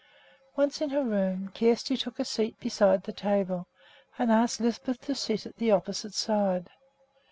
Once in her room, Kjersti took a seat beside the table and asked Lisbeth to sit at the opposite side.